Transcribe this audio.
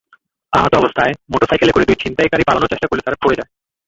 আহতাবস্থায় মোটরসাইকেলে করে দুই ছিনতাইকারী পালানোর চেষ্টা করলে তারা পড়ে যায়।